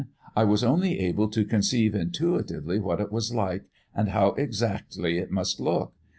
I was only able to conceive intuitively what it was like and how exactly it must look.